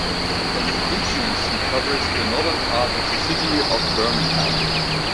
The constituency covers the northern part of the City of Birmingham.